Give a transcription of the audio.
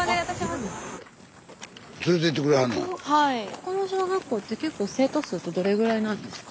ここの小学校って生徒数ってどれぐらいなんですか？